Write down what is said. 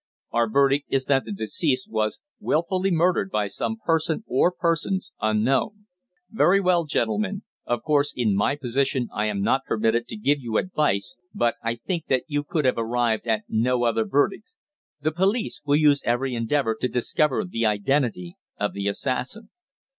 "Our verdict is that the deceased was wilfully murdered by some person or persons unknown." "Very well, gentlemen. Of course in my position I am not permitted to give you advice, but I think that you could have arrived at no other verdict. The police will use every endeavour to discover the identity of the assassin."